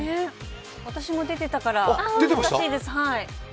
私も出てたから、懐かしいです。